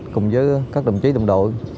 cùng với các đồng chí đồng đội